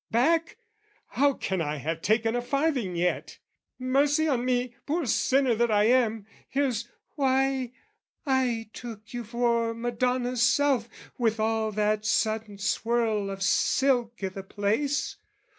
"Back, how can I have taken a farthing yet? "Mercy on me, poor sinner that I am! "Here's...why, I took you for Madonna's self "With all that sudden swirl of silk i' the place!